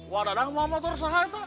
wah ada yang mau memotor sahaja pak